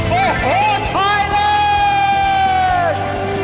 โอ้โหไทยเล็ก